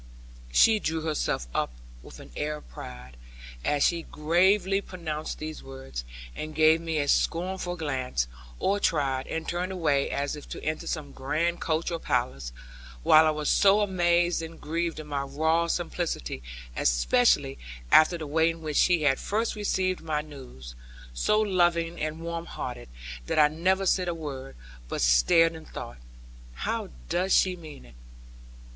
She drew herself up with an air of pride, as she gravely pronounced these words, and gave me a scornful glance, or tried; and turned away as if to enter some grand coach or palace; while I was so amazed and grieved in my raw simplicity especially after the way in which she had first received my news, so loving and warm hearted, that I never said a word, but stared and thought, 'How does she mean it?'